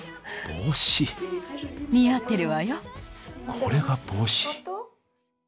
これが帽子？